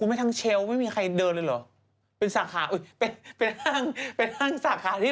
อันนี้มันมาทันที